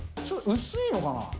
ちょっと薄いのかな？